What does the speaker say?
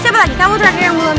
siapa lagi kamu terakhir yang belum